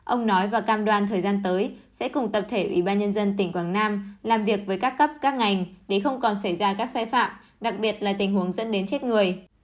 ông nói và cam đoan thời gian tới sẽ cùng tập thể ủy ban nhân dân tỉnh quảng nam làm việc với các cấp các ngành để không còn xảy ra các sai phạm đặc biệt là tình huống dẫn đến chết người